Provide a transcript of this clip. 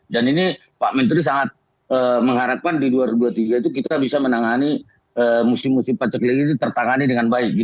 dan ini pak menteri sangat mengharapkan di dua ribu dua puluh tiga itu kita bisa menangani musim musim pencegah ini tertangani dengan baik